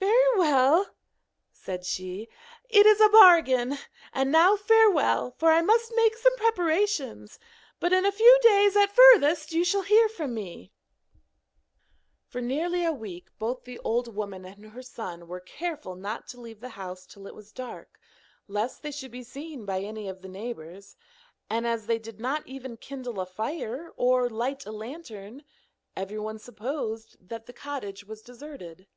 'Very well,' said she, 'it is a bargain; and now farewell, for I must make some preparations; but in a few days at furthest you shall hear from me.' For nearly a week both the old woman and her son were careful not to leave the house till it was dark, lest they should be seen by any of the neighbours, and as they did not even kindle a fire or light a lantern, everyone supposed that the cottage was deserted.